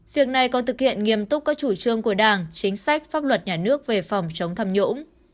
việc này còn thực hiện nghiêm túc các chủ trương của đảng chính sách pháp luật nhà nước về phòng chống tham nhũng